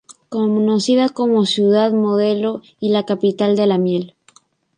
Conocida como Ciudad Modelo y La capital de la Miel.